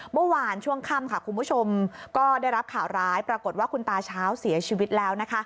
เมื่อวานช่วงค่ำค่ะคุณผู้ชมก็ได้รับข่าวร้ายปรากฏว่าคุณตาเช้าเสียชีวิตแล้ว